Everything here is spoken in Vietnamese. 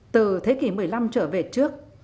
từ thế kỷ một mươi năm trở về trước